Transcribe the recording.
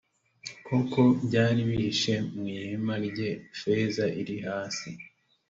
koko byari bihishe mu ihema rye, feza iri hasi.